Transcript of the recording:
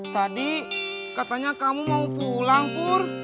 tadi katanya kamu mau pulang pur